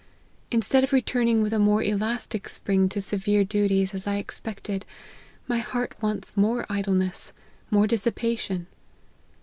Instead of returning with a more elastic spring to severe duties, as I expected, my heart wants more idleness, more dissipation.